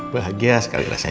bahagia sekali rasanya no